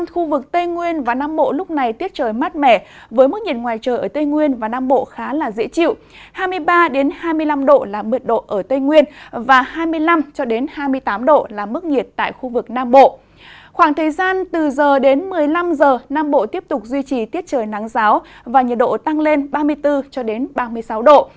khoảng thời gian từ giờ đến một mươi năm h nam bộ tiếp tục duy trì tiết trời nắng ráo và nhiệt độ tăng lên ba mươi bốn ba mươi sáu độ